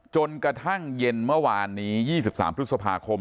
จนกระทั่งเย็นเมื่อวานนี้๒๓พฤษภาคม